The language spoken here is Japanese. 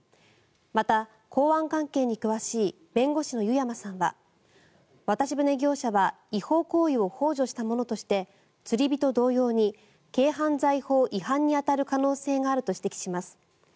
また、港湾関係に詳しい弁護士の湯山さんは渡し船業者は違法行為をほう助したものとして釣り人同様に軽犯罪法違反に当たる可能性があると指摘します。